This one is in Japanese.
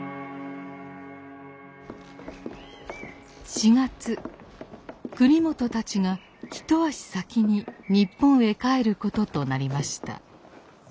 四月栗本たちが一足先に日本へ帰ることとなりました。